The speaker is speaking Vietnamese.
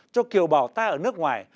cho kiều bào ta ở nước ngoài